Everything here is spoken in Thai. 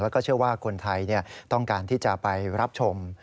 แล้วก็เชื่อว่าคนไทยต้องการที่จะไปรับชม